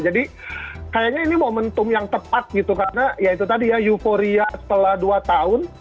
jadi kayaknya ini momentum yang tepat gitu karena ya itu tadi ya euforia setelah dua tahun